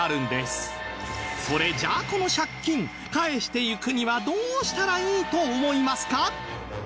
それじゃあこの借金返していくにはどうしたらいいと思いますか？